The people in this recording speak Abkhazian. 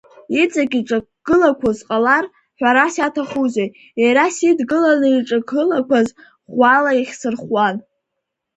Иҵегь иҿагылақәоз ҟалар, ҳәарас иаҭахузеи, иара сидгыланы, иҿагылақәоз ӷәӷәала иахьсырхәуан.